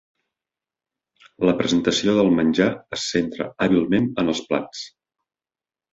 La presentació del menjar es centra hàbilment en els plats.